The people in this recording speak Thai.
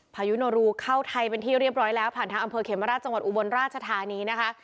พายุโนรูเข้าไทยเป็นที่เรียบร้อยแล้วผ่านทางอำเภอเขมราชจังหวัดอุบลราชธานีนะคะ